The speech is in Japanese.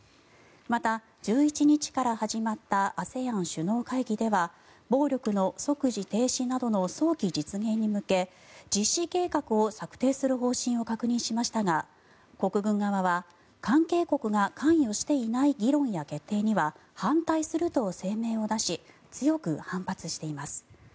また、１１日から始まったＡＳＥＡＮ首脳会議では暴力の即時停止などの早期実現に向け実施計画を策定する方針を確認しましたが国軍側は関係国が関与していない議論や決定には反対すると声明を出し強く反発しています。